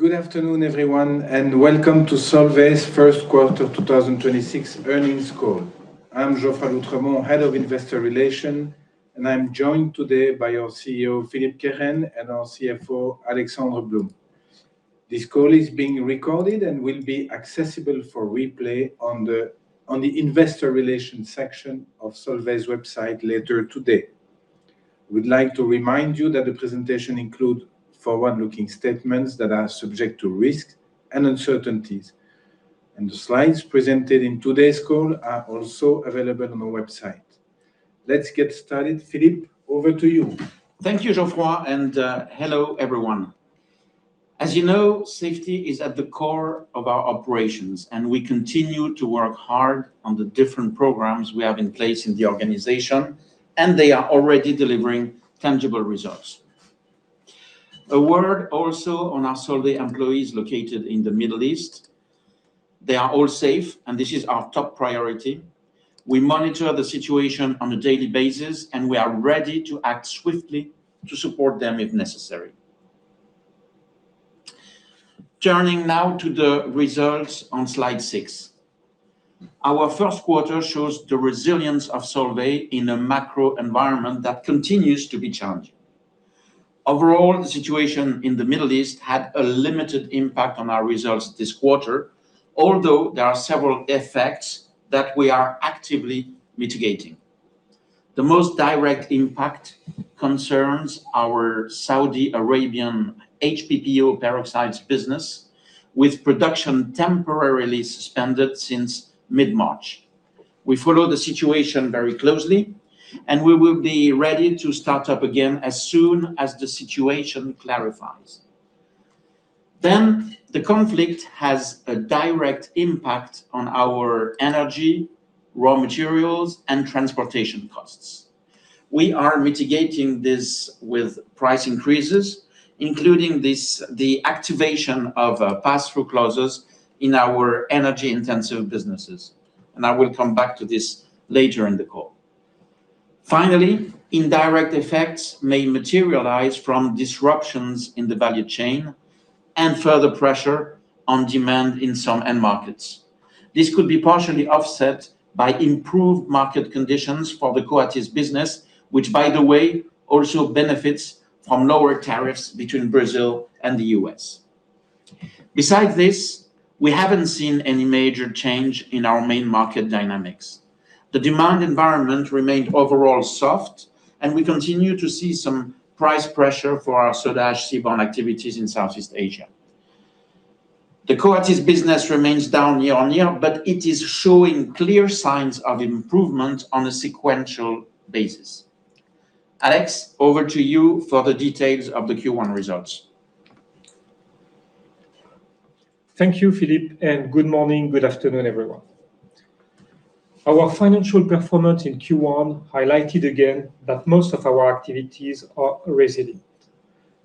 Good afternoon, everyone, and welcome to Solvay's 1st quarter 2026 earnings call. I'm Geoffroy d'Oultremont, Head of Investor Relations, and I'm joined today by our CEO, Philippe Kehren, and our CFO, Alexandre Blum. This call is being recorded and will be accessible for replay on the investor relations section of Solvay's website later today. We'd like to remind you that the presentation includes forward-looking statements that are subject to risks and uncertainties. The slides presented in today's call are also available on our website. Let's get started. Philippe, over to you. Thank you, Geoffroy, and hello, everyone. As you know, safety is at the core of our operations, and we continue to work hard on the different programs we have in place in the organization, and they are already delivering tangible results. A word also on our Solvay employees located in the Middle East. They are all safe, and this is our top priority. We monitor the situation on a daily basis, and we are ready to act swiftly to support them if necessary. Turning now to the results on slide six. Our first quarter shows the resilience of Solvay in a macro environment that continues to be challenging. Overall, the situation in the Middle East had a limited impact on our results this quarter, although there are several effects that we are actively mitigating. The most direct impact concerns our Saudi Arabian HPPO peroxides business, with production temporarily suspended since mid-March. We follow the situation very closely, we will be ready to start up again as soon as the situation clarifies. The conflict has a direct impact on our energy, raw materials, and transportation costs. We are mitigating this with price increases, including this, the activation of pass-through clauses in our energy-intensive businesses, I will come back to this later in the call. Indirect effects may materialize from disruptions in the value chain and further pressure on demand in some end markets. This could be partially offset by improved market conditions for the Coatis business, which by the way, also benefits from lower tariffs between Brazil and the U.S. Besides this, we haven't seen any major change in our main market dynamics. The demand environment remained overall soft. We continue to see some price pressure for our Soda Ash/Silica activities in Southeast Asia. The Coatis business remains down year-on-year, but it is showing clear signs of improvement on a sequential basis. Alexandre, over to you for the details of the Q1 results. Thank you, Philippe. Good morning, good afternoon, everyone. Our financial performance in Q1 highlighted again that most of our activities are resilient.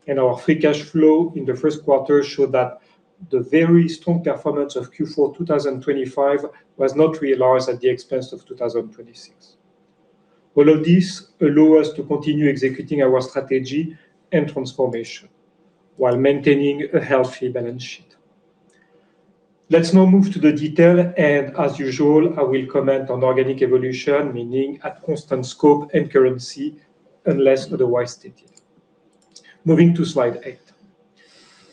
Our free cash flow in the first quarter showed that the very strong performance of Q4 2025 was not realized at the expense of 2026. All of this allow us to continue executing our strategy and transformation while maintaining a healthy balance sheet. Let's now move to the detail, and as usual, I will comment on organic evolution, meaning at constant scope and currency, unless otherwise stated. Moving to slide eight.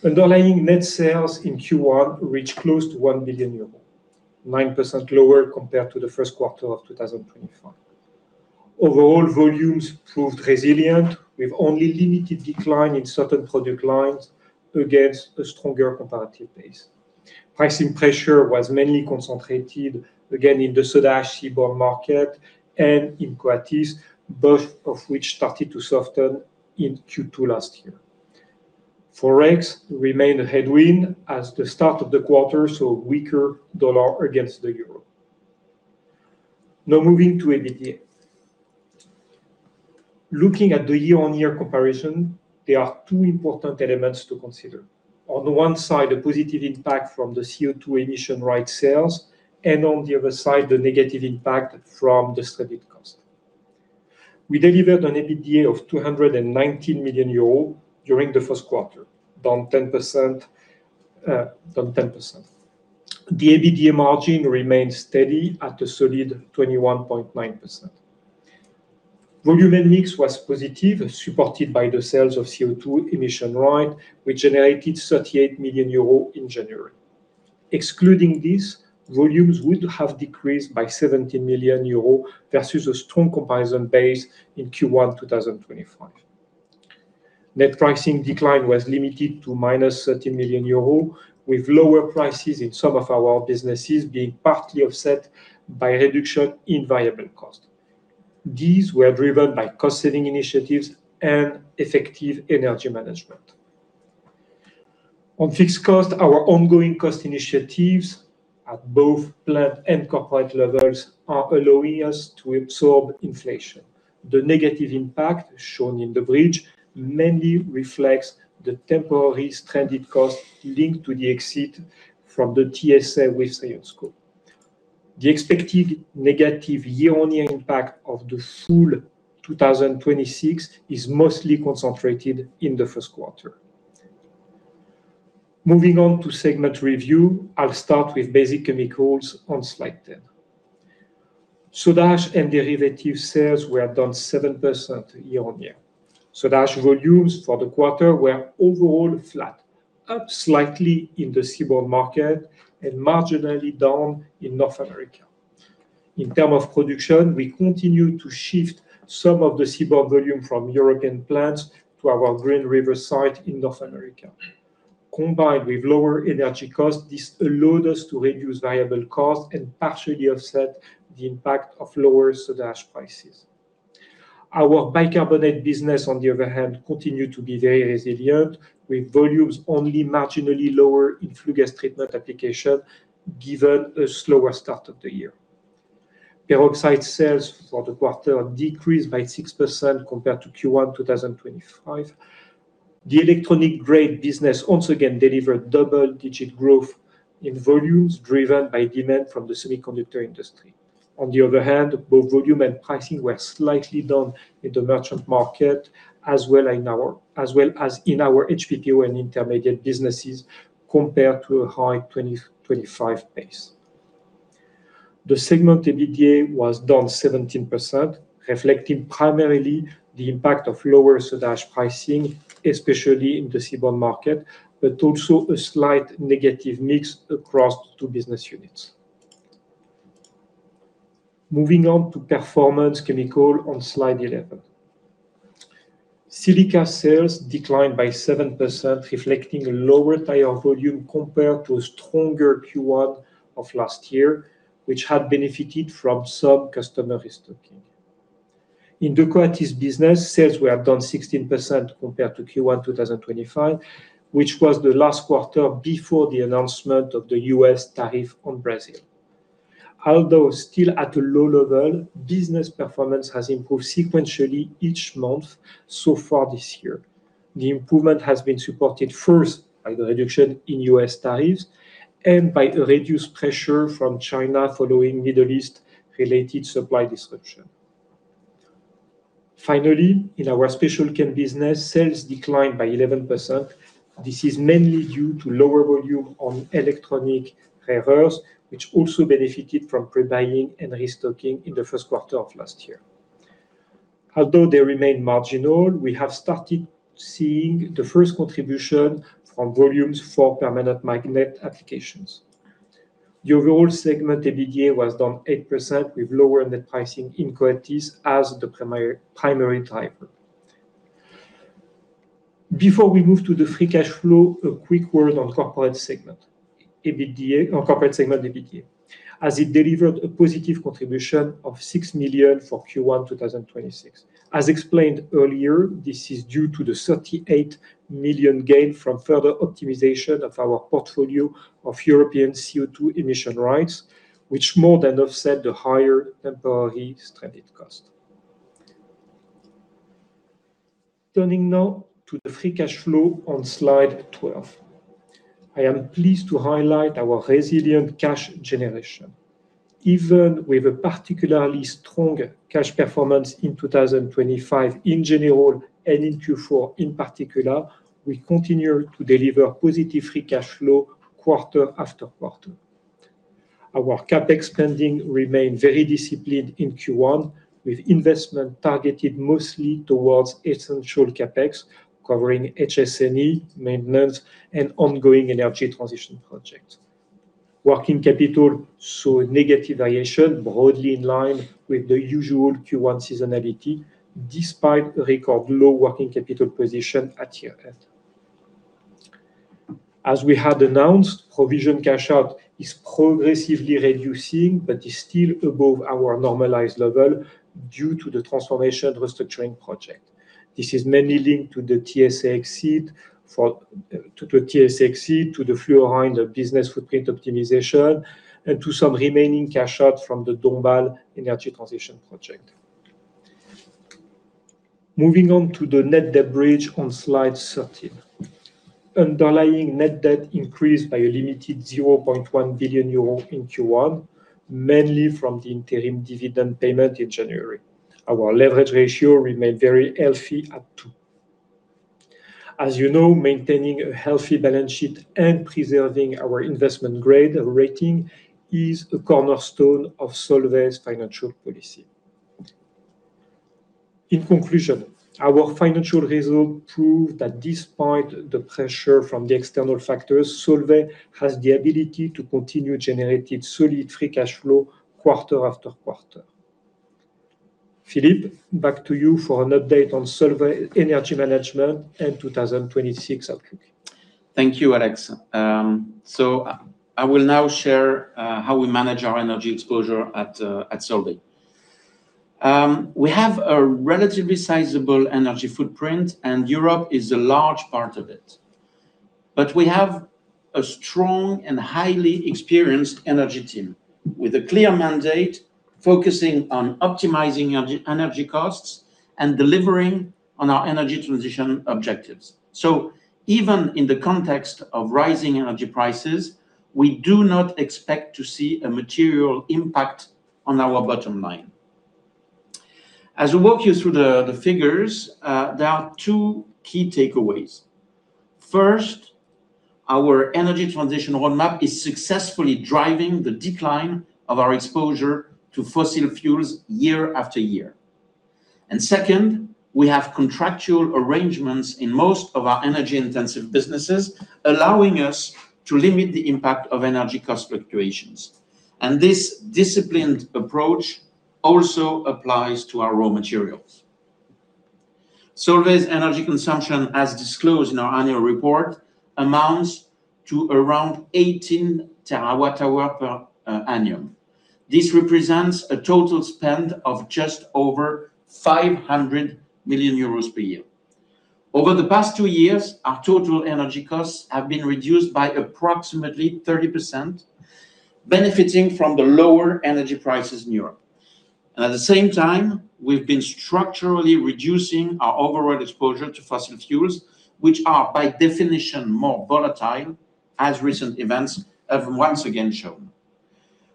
Underlying net sales in Q1 reached close to 1 billion euro, 9% lower compared to the first quarter of 2025. Overall volumes proved resilient with only limited decline in certain product lines against a stronger comparative base. Pricing pressure was mainly concentrated again in the Soda Ash/Silica market and in Coatis, both of which started to soften in Q2 last year. Forex remained a headwind as the start of the quarter saw weaker U.S. dollar against the euro. Moving to EBITDA. Looking at the year-over-year comparison, there are two important elements to consider. On the one side, a positive impact from the CO2 emission right sales and on the other side, the negative impact from the stranded cost. We delivered an EBITDA of 219 million euro during the first quarter, down 10%. The EBITDA margin remained steady at a solid 21.9%. Volume and mix was positive, supported by the sales of CO2 emission right, which generated 38 million euro in January. Excluding this, volumes would have decreased by 70 million euro versus a strong comparison base in Q1 2025. Net pricing decline was limited to -30 million euro, with lower prices in some of our businesses being partly offset by reduction in variable cost. These were driven by cost-saving initiatives and effective energy management. On fixed cost, our ongoing cost initiatives at both plant and corporate levels are allowing us to absorb inflation. The negative impact shown in the bridge mainly reflects the temporary stranded cost linked to the exit from the TSA with Syensqo. The expected negative year-on-year impact of the full 2026 is mostly concentrated in the first quarter. Moving on to segment review, I'll start with Basic Chemicals on slide 10. Soda Ash and Derivative sales were down 7% year-on-year. Soda Ash volumes for the quarter were overall flat, up slightly in the seaborne market and marginally down in North America. In terms of production, we continue to shift some of the seaborne volume from European plants to our Green River site in North America. Combined with lower energy costs, this allowed us to reduce variable costs and partially offset the impact of lower Soda Ash prices. Our bicarbonate business, on the other hand, continued to be very resilient with volumes only marginally lower in flue gas treatment application given a slower start of the year. Peroxide sales for the quarter decreased by 6% compared to Q1 2025. The electronic grade business once again delivered double-digit growth in volumes driven by demand from the semiconductor industry. On the other hand, both volume and pricing were slightly down in the merchant market as well as in our H2O2 and intermediate businesses compared to a high 2025 base. The segment EBITDA was down 17%, reflecting primarily the impact of lower soda ash pricing, especially in the seaborne market, but also a slight negative mix across two business units. Moving on to Performance Chemicals on slide 11. Silica sales declined by 7%, reflecting a lower tire volume compared to a stronger Q1 of last year, which had benefited from some customer restocking. In the chlor-alkalis business, sales were down 16% compared to Q1 2025, which was the last quarter before the announcement of the U.S. tariff on Brazil. Although still at a low level, business performance has improved sequentially each month so far this year. The improvement has been supported first by the reduction in U.S. tariffs and by a reduced pressure from China following Middle East related supply disruption. Finally, in our Special chem business, sales declined by 11%. This is mainly due to lower volume on electronic rare earths, which also benefited from pre-buying and restocking in the first quarter of last year. Although they remain marginal, we have started seeing the first contribution from volumes for permanent magnet applications. The overall segment EBITDA was down 8% with lower net pricing in chlor-alkalis as the primary driver. Before we move to the free cash flow, a quick word on corporate segment EBITDA, as it delivered a positive contribution of 6 million for Q1 2026. As explained earlier, this is due to the 38 million gain from further optimization of our portfolio of European CO2 emission rights, which more than offset the higher temporary stranded cost. Turning now to the free cash flow on slide 12. I am pleased to highlight our resilient cash generation. Even with a particularly strong cash performance in 2025 in general and in Q4 in particular, we continue to deliver positive free cash flow quarter after quarter. Our CapEx spending remained very disciplined in Q1, with investment targeted mostly towards essential CapEx, covering HS&E, maintenance, and ongoing energy transition projects. Working capital saw a negative variation broadly in line with the usual Q1 seasonality despite a record low working capital position at year-end. As we had announced, provision cash out is progressively reducing, but is still above our normalized level due to the transformation restructuring project. This is mainly linked to the TSA exit, to the Fluorine business footprint optimization, and to some remaining cash out from the Dombasle Énergie energy transition project. Moving on to the net debt bridge on slide 13. Underlying net debt increased by a limited 0.1 billion euro in Q1, mainly from the interim dividend payment in January. Our leverage ratio remained very healthy at 2x. As you know, maintaining a healthy balance sheet and preserving our investment-grade rating is a cornerstone of Solvay's financial policy. In conclusion, our financial results prove that despite the pressure from the external factors, Solvay has the ability to continue generating solid free cash flow quarter after quarter. Philippe, back to you for an update on Solvay energy management and 2026 outlook. Thank you, Alex. I will now share how we manage our energy exposure at Solvay. We have a relatively sizable energy footprint. Europe is a large part of it. We have a strong and highly experienced energy team with a clear mandate focusing on optimizing energy costs and delivering on our energy transition objectives. Even in the context of rising energy prices, we do not expect to see a material impact on our bottom line. As we walk you through the figures, there are two key takeaways. First, our energy transition roadmap is successfully driving the decline of our exposure to fossil fuels year after year. Second, we have contractual arrangements in most of our energy-intensive businesses, allowing us to limit the impact of energy cost fluctuations. This disciplined approach also applies to our raw materials. Solvay's energy consumption, as disclosed in our annual report, amounts to around 18 TWh per annum. This represents a total spend of just over 500 million euros per year. Over the past two years, our total energy costs have been reduced by approximately 30%, benefiting from the lower energy prices in Europe. At the same time, we've been structurally reducing our overall exposure to fossil fuels, which are, by definition, more volatile, as recent events have once again shown.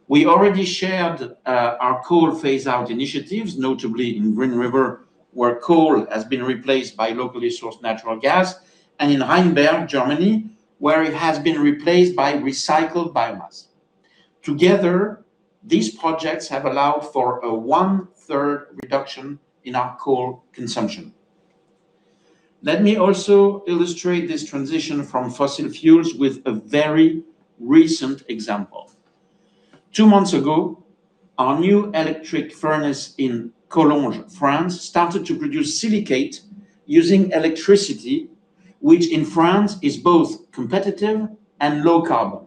We already shared our coal phase-out initiatives, notably in Green River, where coal has been replaced by locally sourced natural gas, and in Rheinberg, Germany, where it has been replaced by recycled biomass. Together, these projects have allowed for a one-third reduction in our coal consumption. Let me also illustrate this transition from fossil fuels with a very recent example. Two months ago, our new electric furnace in Collonges, France, started to produce silicate using electricity, which in France is both competitive and low carbon.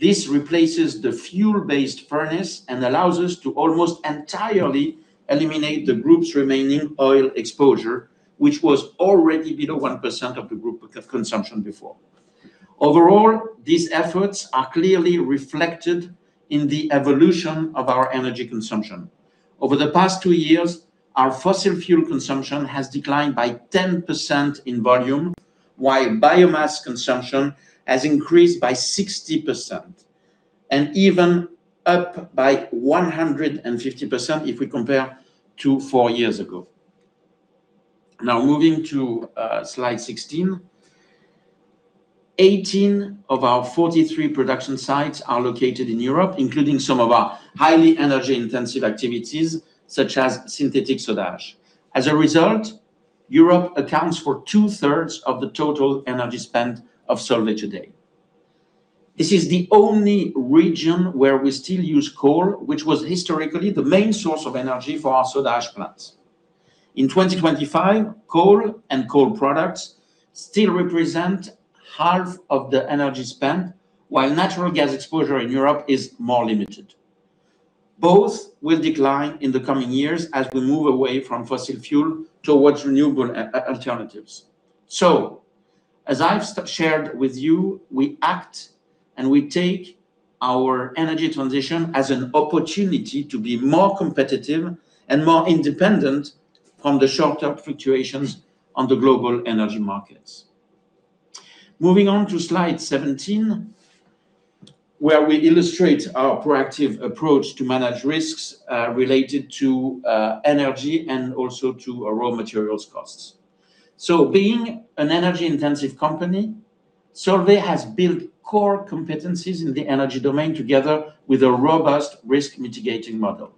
This replaces the fuel-based furnace and allows us to almost entirely eliminate the group's remaining oil exposure, which was already below 1% of the group consumption before. Overall, these efforts are clearly reflected in the evolution of our energy consumption. Over the past two years, our fossil fuel consumption has declined by 10% in volume, while biomass consumption has increased by 60%, and even up by 150% if we compare to four years ago. Moving to slide 16. 18 of our 43 production sites are located in Europe, including some of our highly energy-intensive activities such as synthetic Soda Ash. As a result, Europe accounts for 2/3 of the total energy spend of Solvay today. This is the only region where we still use coal, which was historically the main source of energy for our soda ash plants. In 2025, coal and coal products still represent half of the energy spend, while natural gas exposure in Europe is more limited. Both will decline in the coming years as we move away from fossil fuel towards renewable alternatives. As I've shared with you, we act and we take our energy transition as an opportunity to be more competitive and more independent from the short-term fluctuations on the global energy markets. Moving on to slide 17, where we illustrate our proactive approach to manage risks related to energy and also to our raw materials costs. Being an energy-intensive company, Solvay has built core competencies in the energy domain together with a robust risk mitigating model.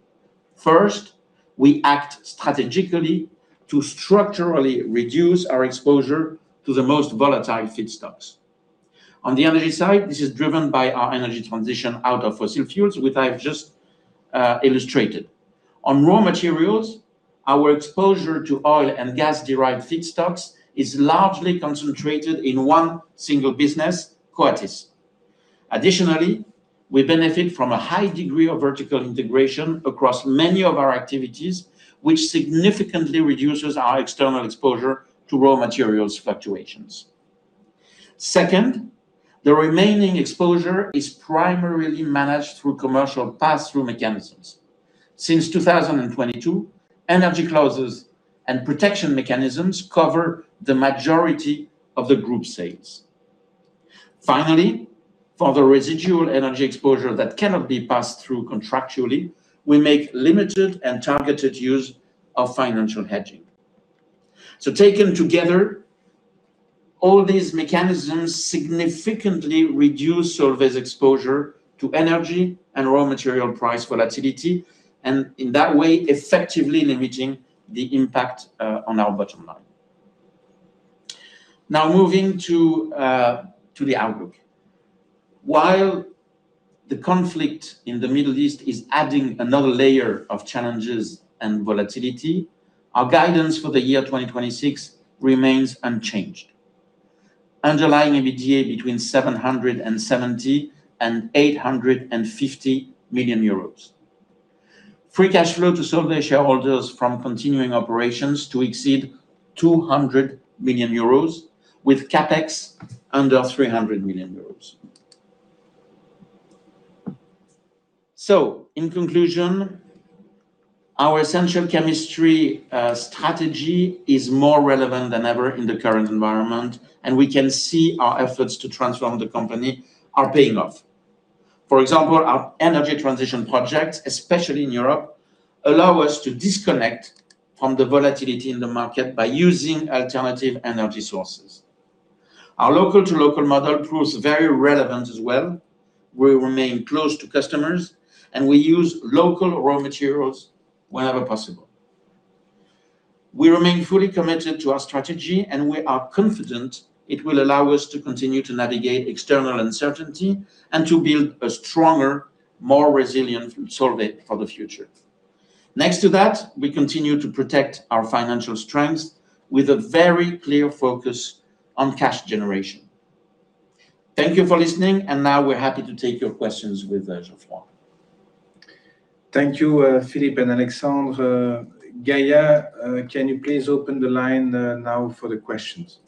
First, we act strategically to structurally reduce our exposure to the most volatile feedstocks. On the energy side, this is driven by our energy transition out of fossil fuels, which I've just illustrated. On raw materials, our exposure to oil and gas-derived feedstocks is largely concentrated in one single business, Coatis. Additionally, we benefit from a high degree of vertical integration across many of our activities, which significantly reduces our external exposure to raw materials fluctuations. Second, the remaining exposure is primarily managed through commercial pass-through mechanisms. Since 2022, energy clauses and protection mechanisms cover the majority of the group sales. Finally, for the residual energy exposure that cannot be passed through contractually, we make limited and targeted use of financial hedging. Taken together, all these mechanisms significantly reduce Solvay's exposure to energy and raw material price volatility, and in that way, effectively limiting the impact on our bottom line. Moving to the outlook. While the conflict in the Middle East is adding another layer of challenges and volatility, our guidance for the year 2026 remains unchanged. Underlying EBITDA between 770 million and 850 million euros. Free cash flow to Solvay shareholders from continuing operations to exceed 200 million euros, with CapEx under 300 million euros. In conclusion, our essential chemistry strategy is more relevant than ever in the current environment, and we can see our efforts to transform the company are paying off. For example, our energy transition projects, especially in Europe, allow us to disconnect from the volatility in the market by using alternative energy sources. Our local-to-local model proves very relevant as well. We remain close to customers, and we use local raw materials wherever possible. We remain fully committed to our strategy, and we are confident it will allow us to continue to navigate external uncertainty and to build a stronger, more resilient Solvay for the future. Next to that, we continue to protect our financial strength with a very clear focus on cash generation. Thank you for listening, and now we're happy to take your questions with Geoffroy. Thank you, Philippe and Alexandre. Gaia, can you please open the line now for the questions?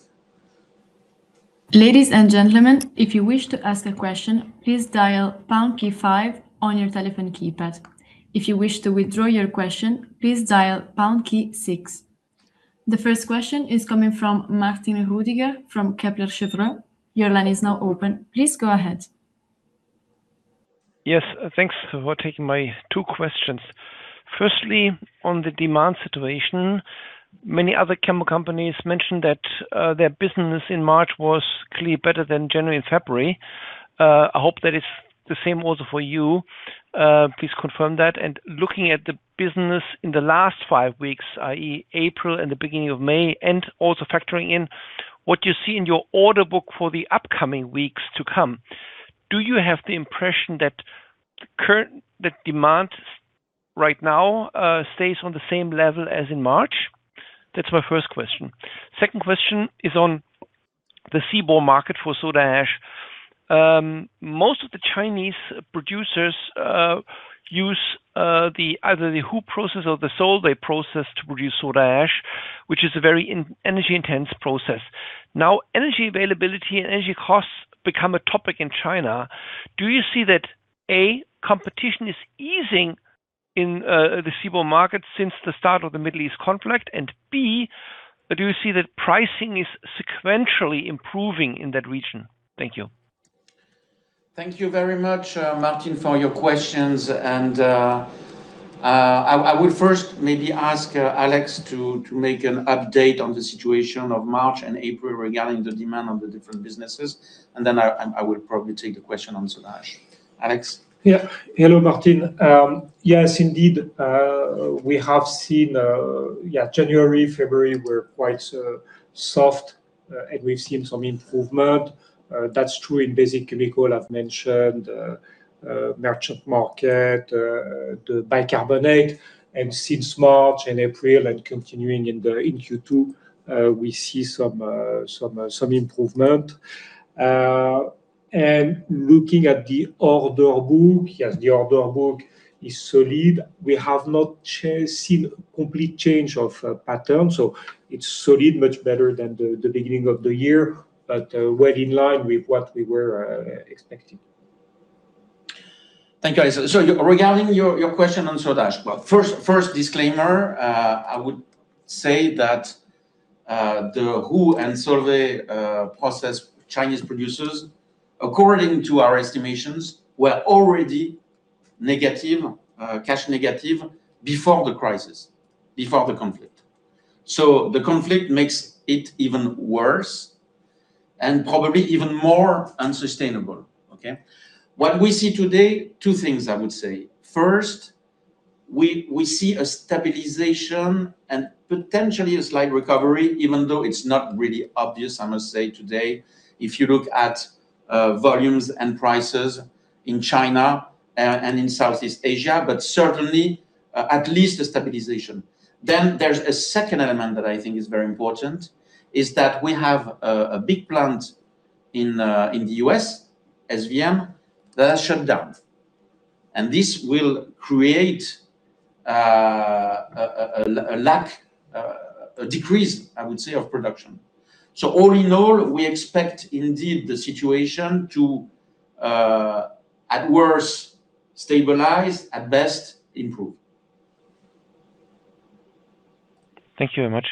Ladies and gentlemen, if you wish to ask a question, please dial pound key five on your telephone keypad. If you wish to withdraw your question, please dial pound key six. The first question is coming from Martin Roediger from Kepler Cheuvreux. Your line is now open. Please go ahead. Yes. Thanks for taking my two questions. Firstly, on the demand situation, many other chemical companies mentioned that their business in March was clearly better than January and February. I hope that is the same also for you. Please confirm that. Looking at the business in the last five weeks, i.e. April and the beginning of May, and also factoring in what you see in your order book for the upcoming weeks to come, do you have the impression that demand right now stays on the same level as in March? That's my first question. Second question is on the seaborne market for Soda Ash. Most of the Chinese producers use either the Hou's process or the Solvay process to produce Soda Ash, which is a very energy intense process. Energy availability and energy costs become a topic in China. Do you see that, A, competition is easing in the seaborne market since the start of the Middle East conflict, and B, do you see that pricing is sequentially improving in that region? Thank you. Thank you very much, Martin, for your questions. I would first maybe ask Alex to make an update on the situation of March and April regarding the demand on the different businesses, and then I will probably take the question on Soda Ash. Alex? Hello, Martin. Yes, indeed, we have seen, yeah, January, February were quite soft. We've seen some improvement. That's true in Basic Chemical. I've mentioned merchant market, the bicarbonate. Since March and April and continuing in Q2, we see some improvement. Looking at the order book, yes, the order book is solid. We have not seen complete change of pattern. It's solid, much better than the beginning of the year. Well in line with what we were expecting. Thank you. Regarding your question on Soda Ash. Well, first disclaimer, I would say that the Hou and Solvay process Chinese producers, according to our estimations, were already negative, cash negative before the crisis, before the conflict. The conflict makes it even worse and probably even more unsustainable. Okay. What we see today, two things I would say. First, we see a stabilization and potentially a slight recovery, even though it's not really obvious, I must say today, if you look at volumes and prices in China and in Southeast Asia, but certainly at least a stabilization. There's a second element that I think is very important, is that we have a big plant in the U.S., SVM, that has shut down, this will create a lack, a decrease, I would say, of production. All in all, we expect indeed the situation to at worst stabilize, at best improve. Thank you very much.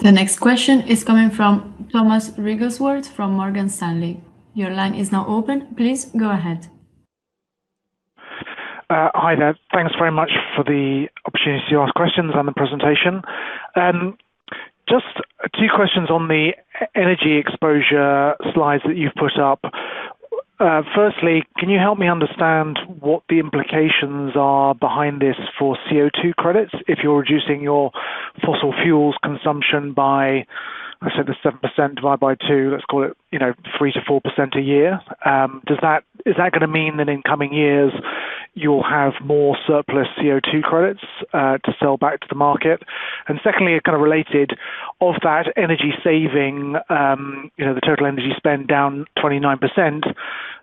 The next question is coming from Thomas Wrigglesworth from Morgan Stanley. Your line is now open. Please go ahead. Hi there. Thanks very much for the opportunity to ask questions on the presentation. Just two questions on the e-energy exposure slides that you've put up. Firstly, can you help me understand what the implications are behind this for CO2 credits if you're reducing your fossil fuels consumption by, I said this 7% divided by two, let's call it, you know, 3%-4% a year? Is that gonna mean that in coming years you'll have more surplus CO2 credits to sell back to the market? Secondly, and kind of related, of that energy saving, you know, the total energy spend down 29%,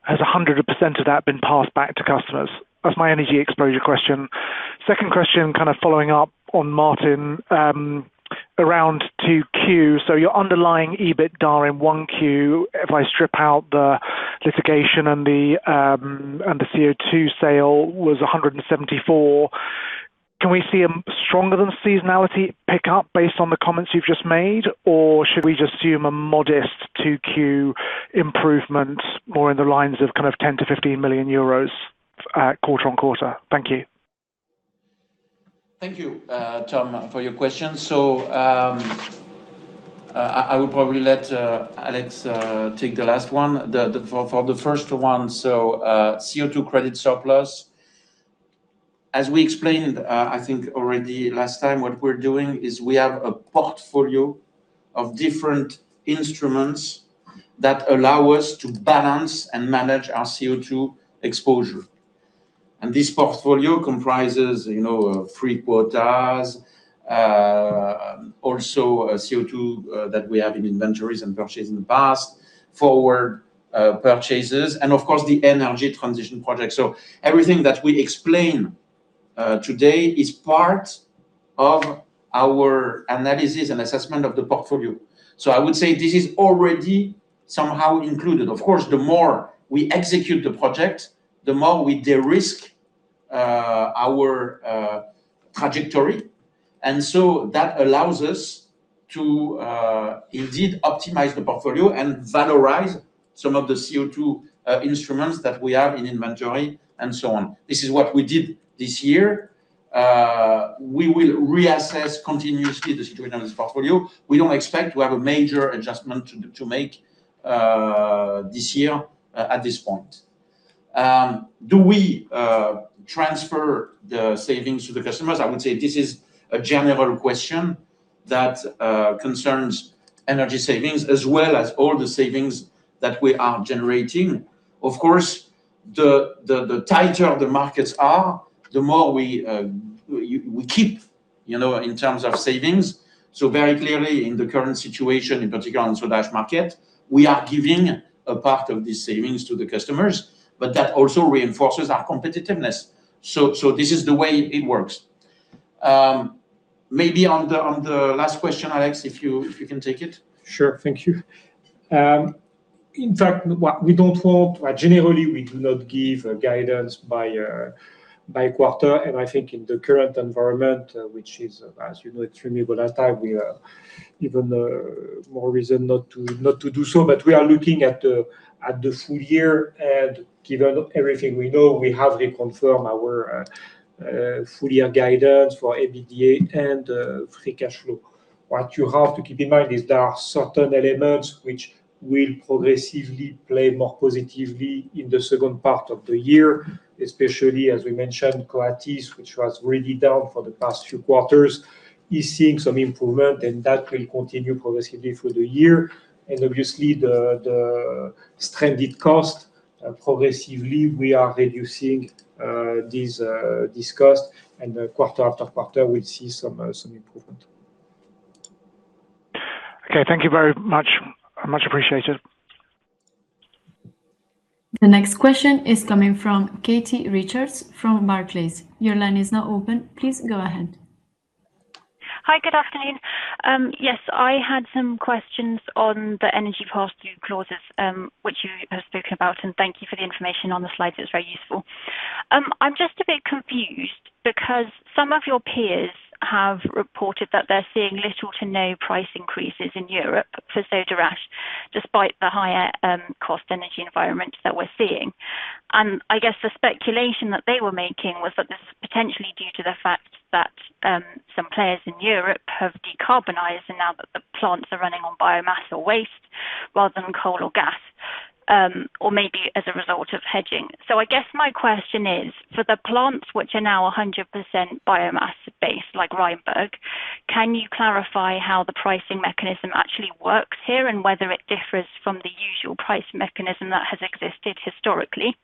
has 100% of that been passed back to customers? That's my energy exposure question. Second question, kind of following up on Martin, around 2Q. Your underlying EBITDA in 1Q, if I strip out the litigation and the CO2 sale was 174. Can we see a stronger than seasonality pick up based on the comments you've just made? Should we just assume a modest 2Q improvement more in the lines of kind of 10 million-15 million euros quarter-on-quarter? Thank you. Thank you, Tom, for your question. I will probably let Alex take the last one. For the first one, CO2 credit surplus, as we explained, I think already last time, what we're doing is we have a portfolio of different instruments that allow us to balance and manage our CO2 exposure. This portfolio comprises, you know, free quotas, also a CO2 that we have in inventories and purchased in the past, forward purchases, and of course the energy transition project. Everything that we explain today is part of our analysis and assessment of the portfolio. I would say this is already somehow included. Of course, the more we execute the project, the more we de-risk our trajectory. That allows us to indeed optimize the portfolio and valorize some of the CO2 instruments that we have in inventory and so on. This is what we did this year. We will reassess continuously the situation in this portfolio. We don't expect to have a major adjustment to make this year at this point. Do we transfer the savings to the customers? I would say this is a general question that concerns energy savings as well as all the savings that we are generating. Of course, the tighter the markets are, the more we keep, you know, in terms of savings. Very clearly in the current situation, in particular on Soda Ash market, we are giving a part of these savings to the customers, but that also reinforces our competitiveness. This is the way it works. Maybe on the last question, Alex, if you can take it. Sure. Thank you. In fact, what we don't want, or generally, we do not give a guidance by quarter. I think in the current environment, which is, as you know, extremely volatile, we are even more reason not to do so. We are looking at the full year. Given everything we know, we have reconfirmed our full year guidance for EBITDA and free cash flow. What you have to keep in mind is there are certain elements which will progressively play more positively in the second part of the year. Especially as we mentioned, Coatis, which was really down for the past few quarters, is seeing some improvement, and that will continue progressively through the year. Obviously the stranded cost, progressively we are reducing these costs and quarter after quarter we'll see some improvement. Okay. Thank you very much. Much appreciated. The next question is coming from Katie Richards from Barclays. Your line is now open. Please go ahead. Hi. Good afternoon. Yes, I had some questions on the energy pass-through clauses, which you have spoken about, and thank you for the information on the slides. It's very useful. I'm just a bit confused because some of your peers have reported that they're seeing little to no price increases in Europe for Soda Ash despite the higher cost energy environment that we're seeing. I guess the speculation that they were making was that this is potentially due to the fact that some players in Europe have decarbonized and now that the plants are running on biomass or waste rather than coal or gas, or maybe as a result of hedging. I guess my question is, for the plants which are now 100% biomass based, like Rheinberg, can you clarify how the pricing mechanism actually works here and whether it differs from the usual price mechanism that has existed historically?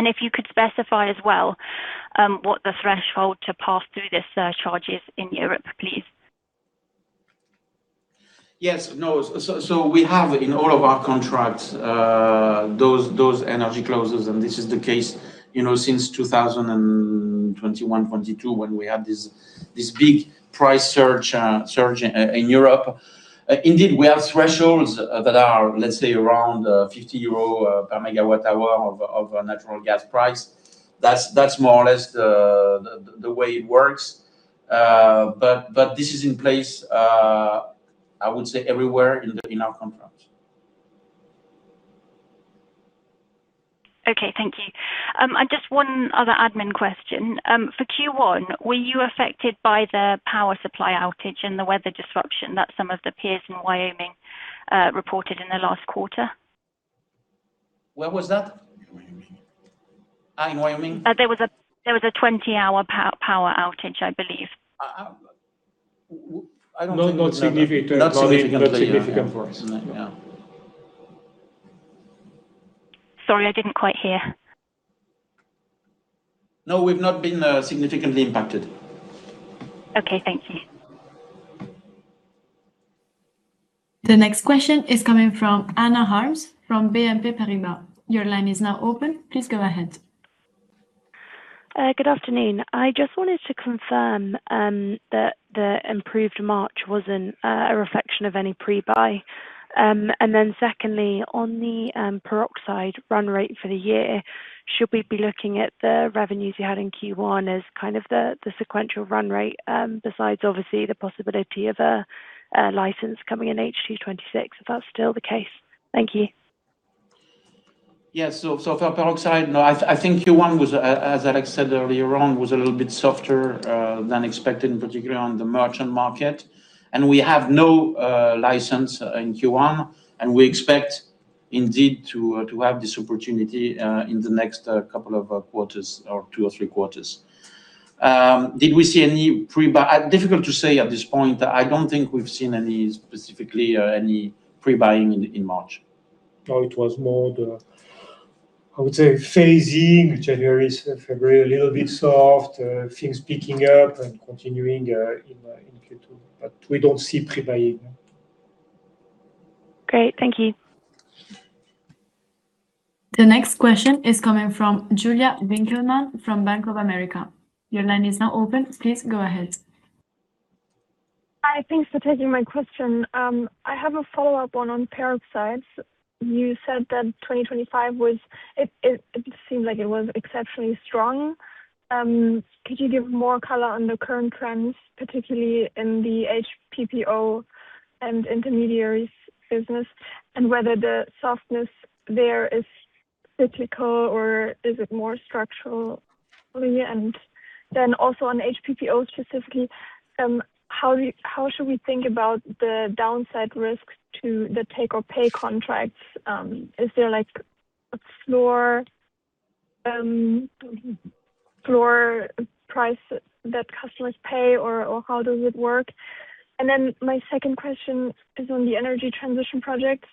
If you could specify as well, what the threshold to pass through this surcharge is in Europe, please. Yes. No. We have in all of our contracts, those energy clauses, and this is the case, you know, since 2021, 2022, when we had this big price surge in Europe. Indeed, we have thresholds that are, let's say, around 50 euro/MWh of natural gas price. That's more or less the way it works. This is in place, I would say everywhere in our contracts. Okay. Thank you. Just one other admin question. For Q1, were you affected by the power supply outage and the weather disruption that some of the peers in Wyoming reported in the last quarter? Where was that? Wyoming. There was a 20-hour power outage, I believe. I don't think we've ever. No, not significant for us. Not significantly, yeah. Sorry, I didn't quite hear. No, we've not been significantly impacted. Okay. Thank you. The next question is coming from Hannah Harms from BNP Paribas. Your line is now open. Please go ahead. Good afternoon. I just wanted to confirm that the improved March wasn't a reflection of any pre-buy. Secondly, on the peroxide run rate for the year, should we be looking at the revenues you had in Q1 as kind of the sequential run rate, besides obviously the possibility of a license coming in H2 2026, if that's still the case? Thank you. Yeah. For peroxide, no, I think Q1 was as Alex said earlier on, was a little bit softer than expected, particularly on the merchant market. We have no license in Q1, and we expect indeed to have this opportunity in the next couple of quarters or two or the quarters. Did we see any pre-buy? Difficult to say at this point. I don't think we've seen any specifically any pre-buying in March. No, it was more the, I would say, phasing. January, February a little bit soft, things picking up and continuing in Q2. We don't see pre-buying. Great. Thank you. The next question is coming from Julia Winkelmann from Bank of America. Your line is now open. Please go ahead. Thanks for taking my question. I have a follow-up on peroxides. You said that 2025 was, it seemed like it was exceptionally strong. Could you give more color on the current trends, particularly in the HPPO and intermediaries business, and whether the softness there is cyclical, or is it more structurally? Also on HPPO specifically, how should we think about the downside risks to the take-or-pay contracts? Is there like a floor price that customers pay, or how does it work? My second question is on the energy transition projects.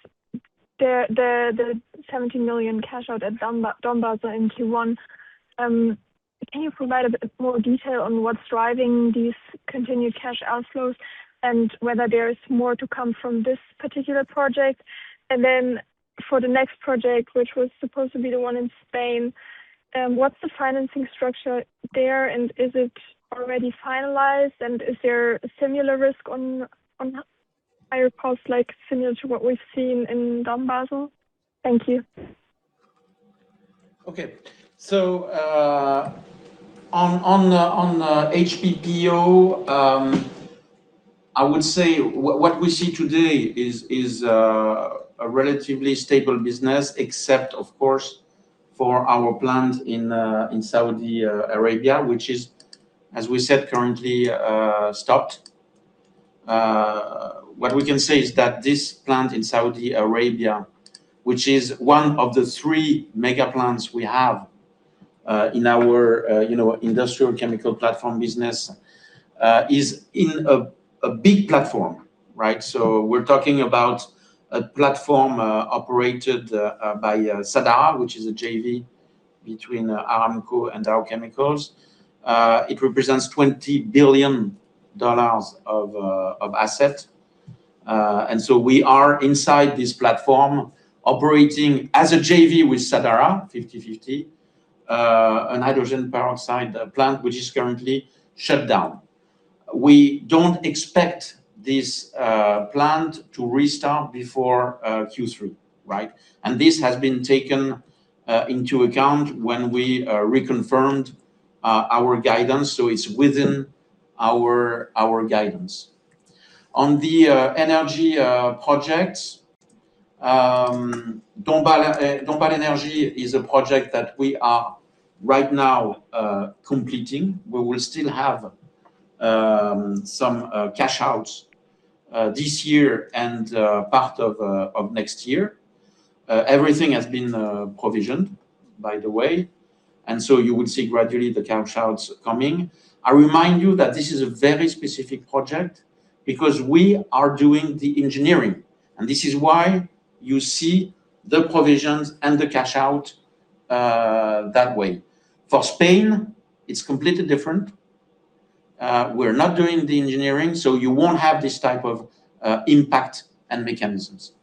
The 70 million cash out at Dombasle in Q1, can you provide a bit more detail on what's driving these continued cash outflows and whether there is more to come from this particular project? For the next project, which was supposed to be the one in Spain, what's the financing structure there, and is it already finalized, and is there a similar risk on that I recall, like similar to what we've seen in Dombasle? Thank you. Okay. On the HPPO, I would say what we see today is a relatively stable business, except of course for our plant in Saudi Arabia, which is, as we said, currently stopped. What we can say is that this plant in Saudi Arabia, which is one of the three mega plants we have in our, you know, industrial chemical platform business, is in a big platform, right? We're talking about a platform operated by Sadara, which is a JV between Aramco and Dow Chemicals. It represents $20 billion of asset. We are inside this platform operating as a JV with Sadara, 50/50, an hydrogen peroxide plant, which is currently shut down. We don't expect this plant to restart before Q3, right? This has been taken into account when we reconfirmed our guidance, so it's within our guidance. On the energy project, Dombasle Énergie is a project that we are right now completing. We will still have some cash outs this year and part of next year. Everything has been provisioned, by the way, you will see gradually the cash outs coming. I remind you that this is a very specific project because we are doing the engineering, and this is why you see the provisions and the cash out that way. For Spain, it's completely different. We're not doing the engineering, you won't have this type of impact and mechanisms.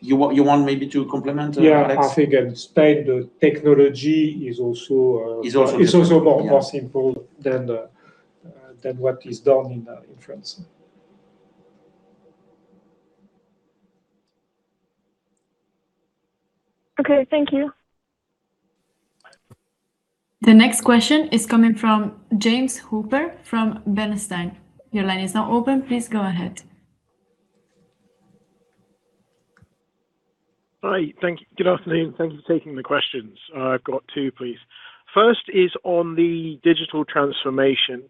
You want maybe to complement, Alex? Yeah. I think in Spain, the technology is also. Is also- It's also more simple than the than what is done in France. Okay. Thank you. The next question is coming from James Hooper from Bernstein. Your line is now open. Please go ahead. Hi. Thank you. Good afternoon. Thank you for taking the questions. I've got two, please. First is on the digital transformation.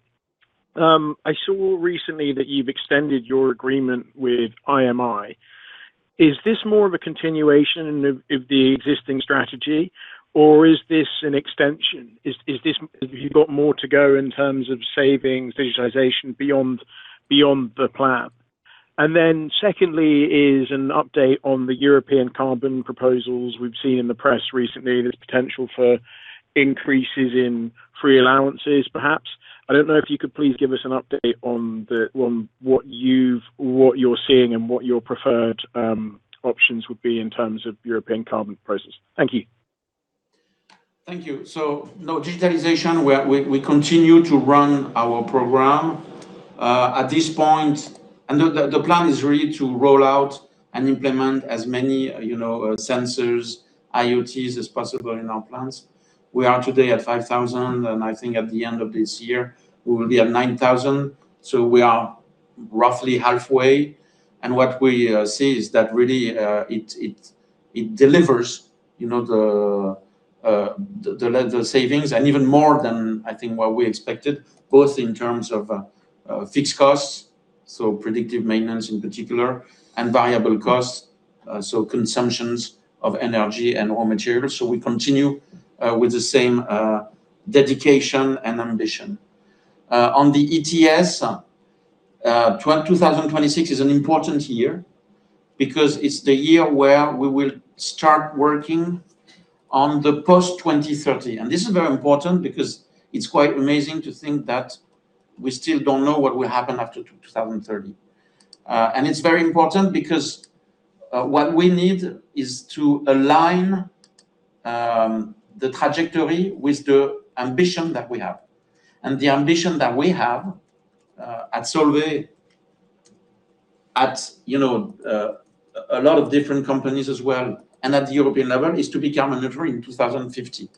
I saw recently that you've extended your agreement with IMI. Is this more of a continuation of the existing strategy, or is this an extension? Have you got more to go in terms of savings, digitization beyond the plan? Secondly is an update on the European carbon proposals. We've seen in the press recently there's potential for increases in free allowances perhaps. I don't know if you could please give us an update on what you're seeing and what your preferred options would be in terms of European carbon prices. Thank you. Thank you. No, digitalization, we continue to run our program. At this point, the plan is really to roll out and implement as many, you know, sensors, IoTs as possible in our plants. We are today at 5,000, and I think at the end of this year we will be at 9,000. We are roughly halfway. What we see is that really it delivers, you know, the level of savings, and even more than I think what we expected, both in terms of fixed costs, so predictive maintenance in particular, and variable costs, so consumptions of energy and raw materials. We continue with the same dedication and ambition. On the ETS, 2026 is an important year because it's the year where we will start working on the post 2030. This is very important because it's quite amazing to think that we still don't know what will happen after 2030. It's very important because what we need is to align the trajectory with the ambition that we have. The ambition that we have at Solvay, at, you know, a lot of different companies as well, and at the European level, is to become a leader in 2050,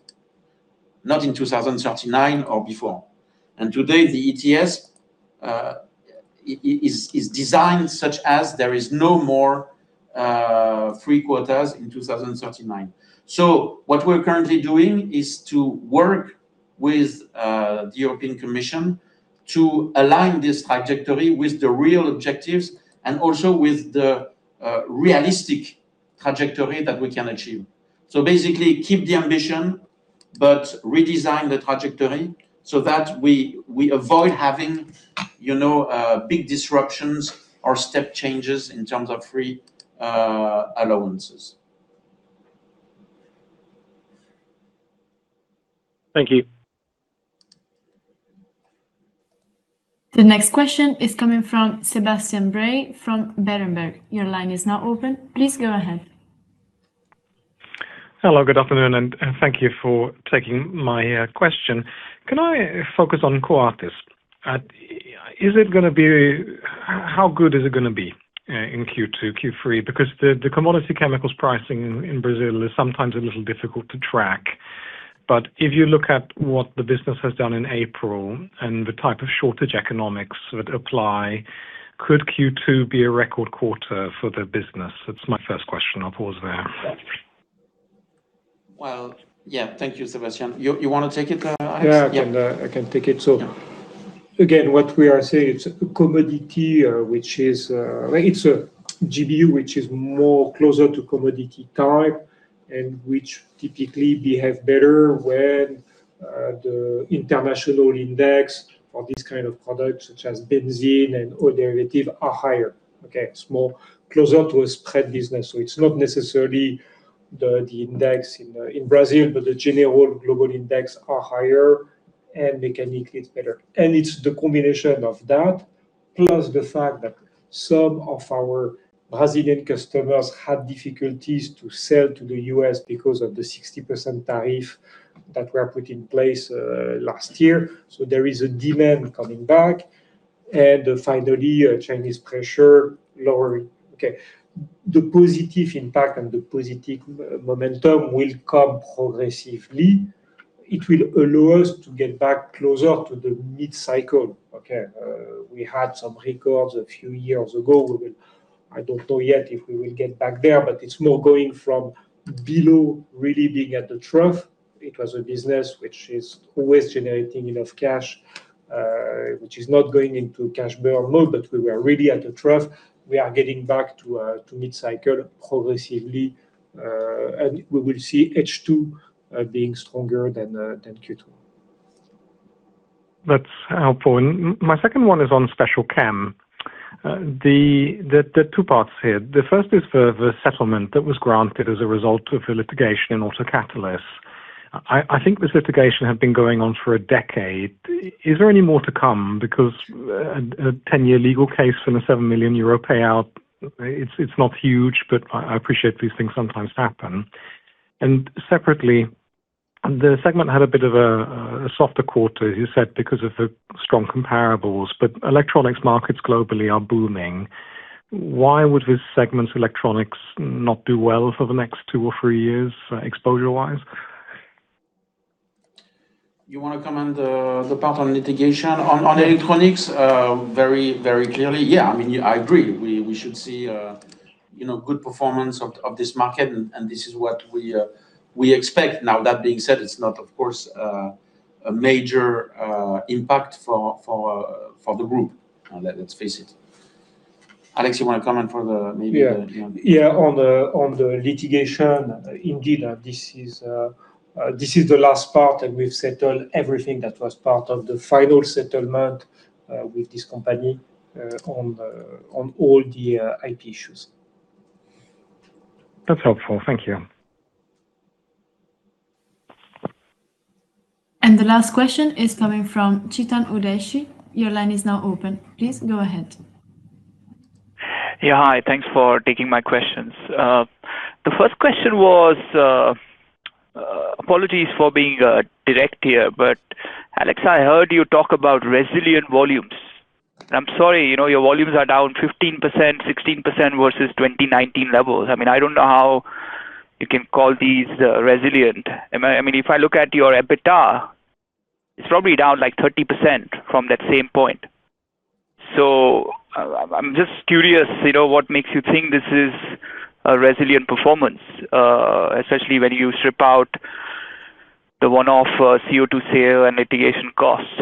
not in 2039 or before. Today, the ETS is designed such as there is no more free quotas in 2039. What we're currently doing is to work with the European Commission to align this trajectory with the real objectives and also with the realistic trajectory that we can achieve. Basically, keep the ambition, but redesign the trajectory so that we avoid having, you know, big disruptions or step changes in terms of free allowances. Thank you. The next question is coming from Sebastian Bray from Berenberg. Your line is now open. Please go ahead. Hello, good afternoon. Thank you for taking my question. Can I focus on Coatis? How good is it gonna be in Q2, Q3? The commodity chemicals pricing in Brazil is sometimes a little difficult to track. If you look at what the business has done in April and the type of shortage economics that apply, could Q2 be a record quarter for the business? That's my first question. I'll pause there. Well, yeah. Thank you, Sebastian. You wanna take it, Alex? Yeah. Yeah, I can take it. Yeah Again, what we are saying, it's a commodity. It's a GBU which is more closer to commodity type and which typically behave better when the international index for this kind of products, such as benzene and oil derivative, are higher. It's more closer to a spread business. It's not necessarily the index in Brazil, but the general global index are higher and mechanically it's better. It's the combination of that, plus the fact that some of our Brazilian customers had difficulties to sell to the U.S. because of the 60% tariff that were put in place last year. There is a demand coming back. Finally, a Chinese pressure lowering. The positive impact and the positive momentum will come progressively. It will allow us to get back closer to the mid-cycle. We had some records a few years ago. I don't know yet if we will get back there. It's more going from below, really being at the trough. It was a business which is always generating enough cash, which is not going into cash burn mode. We were really at a trough. We are getting back to mid-cycle progressively. We will see H2 being stronger than Q2. That's helpful. My second one is on Special Chem. There are two parts here. The first is for the settlement that was granted as a result of the litigation in autocatalysts. I think this litigation had been going on for a decade. Is there any more to come? A 10-year legal case and a 7 million euro payout, it's not huge, but I appreciate these things sometimes happen. Separately, the segment had a bit of a softer quarter, you said because of the strong comparables. Electronics markets globally are booming. Why would this segment, electronics, not do well for the next two or three years, exposure-wise? You wanna comment the part on litigation? On electronics, very clearly. I mean, yeah, I agree. We should see, you know, good performance of this market and this is what we expect. That being said, it's not, of course, a major impact for the group. Let's face it. Alex, you wanna comment for the maybe the. Yeah. Yeah. On the, on the litigation, indeed, this is the last part. We've settled everything that was part of the final settlement, with this company, on all the IP issues. That's helpful. Thank you. The last question is coming from Chetan Udeshi. Your line is now open. Please go ahead. Yeah. Hi, thanks for taking my questions. The first question was, apologies for being direct here, Alex, I heard you talk about resilient volumes. I'm sorry, you know, your volumes are down 15%, 16% versus 2019 levels. I mean, I don't know how you can call these resilient. I mean, if I look at your EBITDA, it's probably down like 30% from that same point. I'm just curious, you know, what makes you think this is a resilient performance, especially when you strip out the one-off CO2 sale and litigation costs.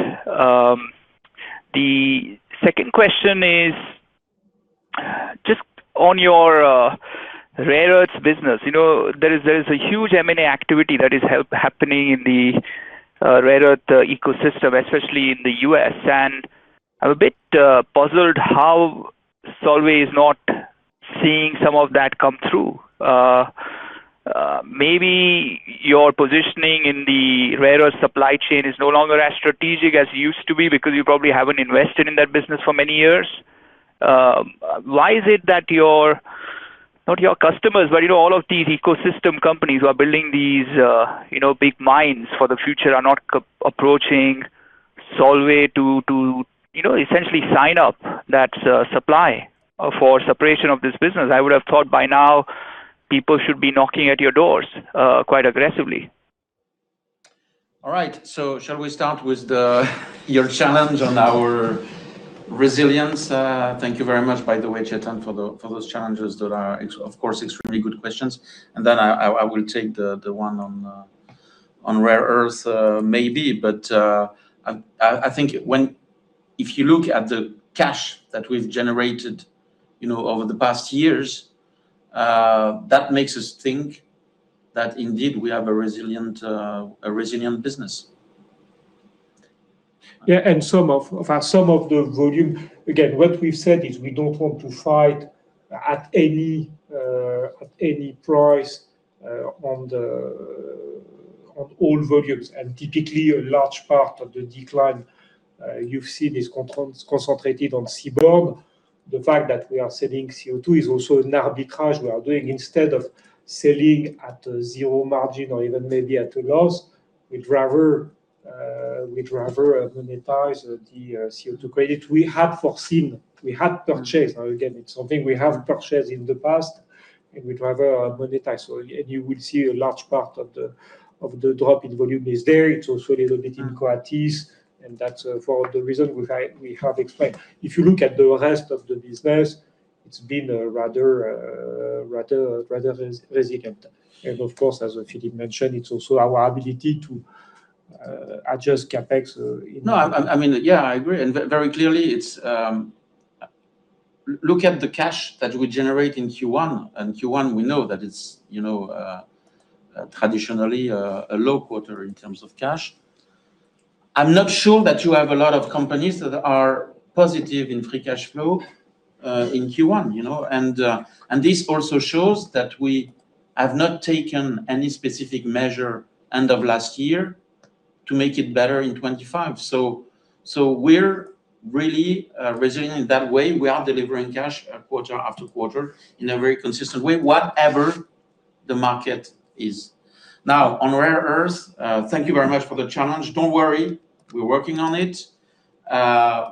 The second question is just on your rare earths business. You know, there is a huge M&A activity that is happening in the rare earth ecosystem, especially in the U.S. I'm a bit puzzled how Solvay is not seeing some of that come through. Maybe your positioning in the rare earth supply chain is no longer as strategic as it used to be because you probably haven't invested in that business for many years. Why is it that your Not your customers, but you know, all of these ecosystem companies who are building these, you know, big mines for the future are not approaching Solvay to, you know, essentially sign up that supply for separation of this business. I would have thought by now people should be knocking at your doors quite aggressively. All right. Shall we start with the, your challenge on our resilience? Thank you very much, by the way, Chetan for the, for those challenges that are extremely good questions. I will take the one on rare earth maybe. I think when you look at the cash that we've generated, you know, over the past years, that makes us think that indeed we have a resilient, a resilient business. Yeah. Some of the volume, again, what we've said is we don't want to fight at any price on all volumes. Typically, a large part of the decline you've seen is concentrated on seaborne. The fact that we are selling CO2 is also an arbitrage we are doing. Instead of selling at zero margin or even maybe at a loss, we'd rather monetize the CO2 credit. We had foreseen, we had purchased. Now, again, it's something we have purchased in the past, and we'd rather monetize. You will see a large part of the drop in volume is there. It's also a little bit in Coatis, and that's for the reason we have explained. If you look at the rest of the business, it's been rather resilient. Of course, as Philippe mentioned, it's also our ability to adjust CapEx. No. I mean, yeah, I agree. Very clearly, it's, look at the cash that we generate in Q1. Q1, we know that it's, you know, traditionally, a low quarter in terms of cash. I'm not sure that you have a lot of companies that are positive in free cash flow in Q1, you know? This also shows that we have not taken any specific measure end of last year to make it better in 2025. We're really resilient in that way. We are delivering cash quarter after quarter in a very consistent way, whatever the market is. Now, on rare earths, thank you very much for the challenge. Don't worry. We're working on it.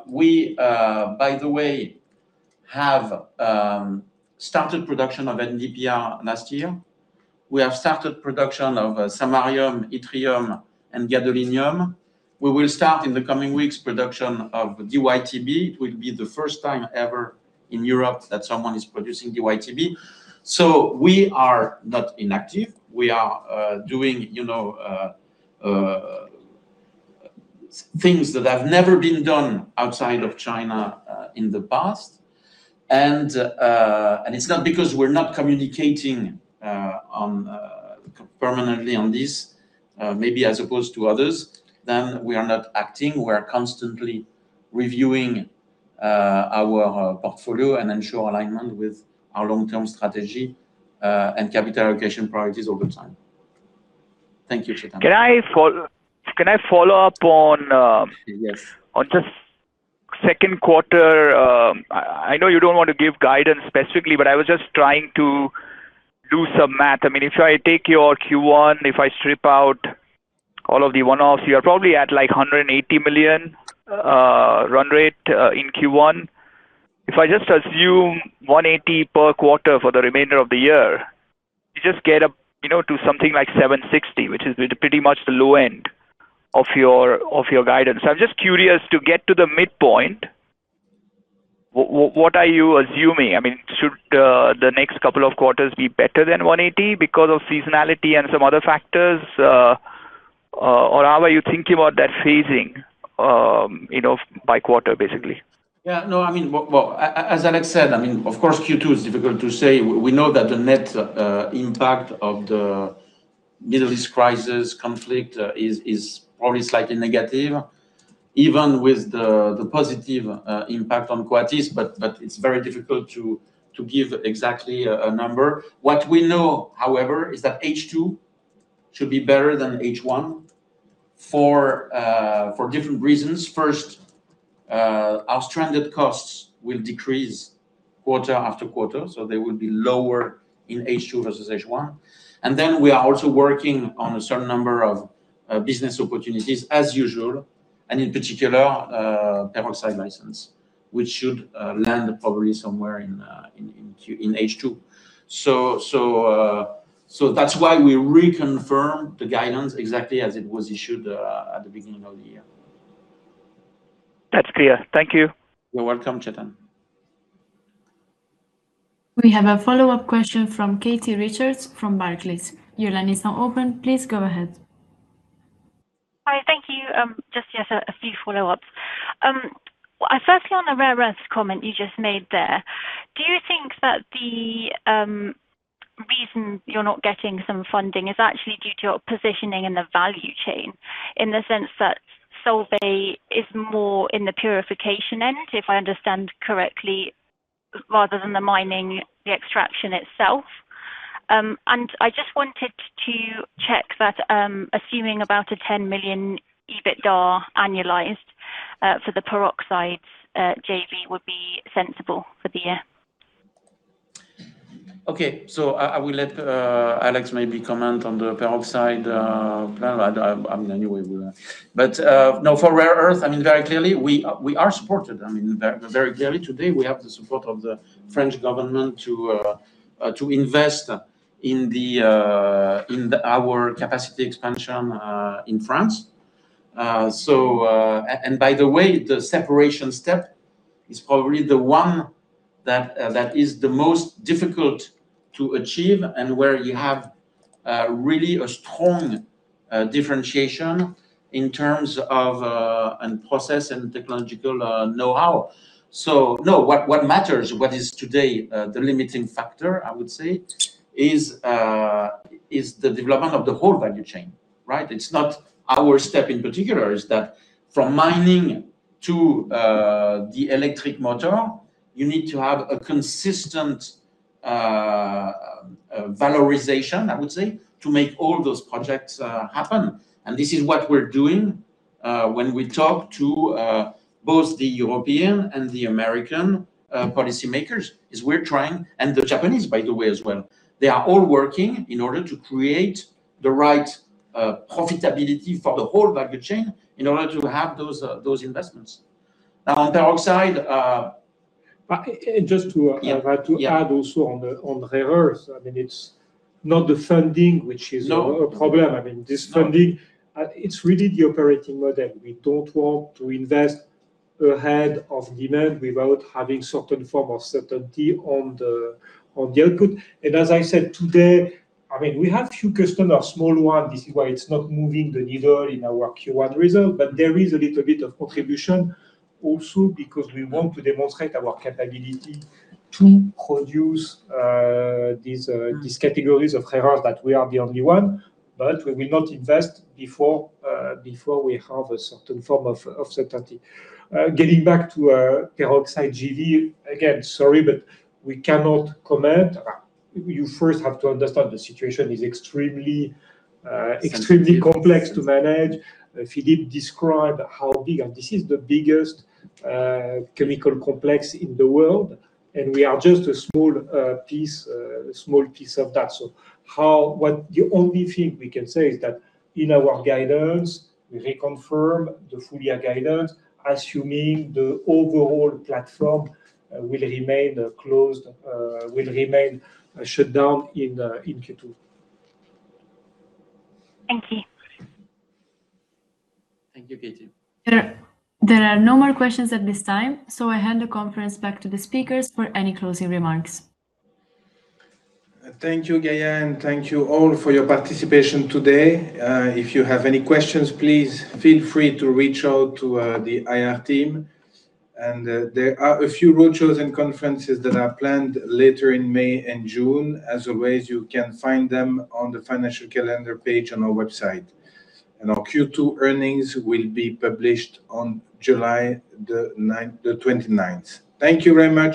We, by the way, have started production of NdPr last year. We have started production of samarium, yttrium, and gadolinium. We will start in the coming weeks production of DyTb. It will be the first time ever in Europe that someone is producing DyTb. We are not inactive. We are doing, you know, things that have never been done outside of China in the past. It's not because we're not communicating on permanently on this, maybe as opposed to others, than we are not acting. We're constantly reviewing our portfolio and ensure alignment with our long-term strategy and capital allocation priorities over time. Thank you, Chetan. Can I follow up on? Yes On just second quarter, I know you don't want to give guidance specifically, but I was just trying to do some math. I mean, if I take your Q1, if I strip out all of the one-offs, you are probably at like 180 million run rate in Q1. If I just assume 180 per quarter for the remainder of the year, you just get up, you know, to something like 760, which is the pretty much the low end of your guidance. I'm just curious to get to the midpoint, what are you assuming? I mean, should the next couple of quarters be better than 180 because of seasonality and some other factors, or how are you thinking about that phasing, you know, by quarter, basically? I mean, as Alex said, I mean, of course, Q2 is difficult to say. We know that the net impact of the Middle East crisis, conflict, is probably slightly negative. Even with the positive impact on Coatis, it's very difficult to give exactly a number. What we know, however, is that H2 should be better than H1 for different reasons. First, our stranded costs will decrease quarter after quarter. They will be lower in H2 versus H1. We are also working on a certain number of business opportunities as usual, and in particular, peroxide license, which should land probably somewhere in H2. That's why we reconfirm the guidance exactly as it was issued at the beginning of the year. That's clear. Thank you. You're welcome, Chetan. We have a follow-up question from Katie Richards from Barclays. Your line is now open. Please go ahead. Hi, thank you. Just, yes, a few follow-ups. Well, firstly, on the rare earth comment you just made there, do you think that the reason you're not getting some funding is actually due to your positioning in the value chain, in the sense that Solvay is more in the purification end, if I understand correctly, rather than the mining, the extraction itself? I just wanted to check that, assuming about a 10 million EBITDA annualized for the peroxides JV would be sensible for the year. Okay. I will let Alex maybe comment on the peroxide. Anyway, for rare earth, very clearly, we are supported. Very clearly today, we have the support of the French government to invest in our capacity expansion in France. By the way, the separation step is probably the one that is the most difficult to achieve and where you have really a strong differentiation in terms of and process and technological know-how. What matters, what is today the limiting factor, I would say, is the development of the whole value chain, right? It's not our step in particular. It's that from mining to the electric motor, you need to have a consistent valorization, I would say, to make all those projects happen, and this is what we're doing when we talk to both the European and the American policymakers, is we're trying. The Japanese, by the way, as well. They are all working in order to create the right profitability for the whole value chain in order to have those investments. But, uh, just to- Yeah. Yeah. -to add also on the, on rare earths, I mean, it's not the funding. No. problem. I mean, this funding- No. it's really the operating model. We don't want to invest ahead of demand without having certain form of certainty on the, on the output. As I said today, I mean, we have few customers, small one. This is why it's not moving the needle in our Q1 result, but there is a little bit of contribution also because we want to demonstrate our capability to produce these categories of rare earths, that we are the only one, but we will not invest before before we have a certain form of certainty. Getting back to peroxide JV, again, sorry, but we cannot comment. You first have to understand the situation is extremely. Sensitive. -extremely complex to manage. Philippe described how big, and this is the biggest chemical complex in the world, and we are just a small piece of that. The only thing we can say is that in our guidance, we reconfirm the full year guidance, assuming the overall platform will remain closed, will remain shut down in Q2. Thank you. Thank you, Katie. There are no more questions at this time, so I hand the conference back to the speakers for any closing remarks. Thank you, Gaia, and thank you all for your participation today. If you have any questions, please feel free to reach out to the IR team. There are a few roadshows and conferences that are planned later in May and June. As always, you can find them on the financial calendar page on our website. Our Q2 earnings will be published on July 29th. Thank you very much.